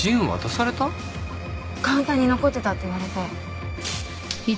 カウンターに残ってたって言われて。